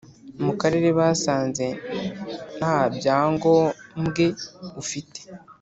mu karere basanze nabyangombwe ufite